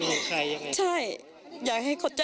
พร้อมด้วยผลตำรวจเอกนรัฐสวิตนันอธิบดีกรมราชทัน